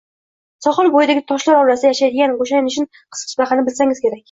Sohil bo`yidagi toshlar orasida yashaydigan go`shanishin qisqichbaqani bilsangiz kerak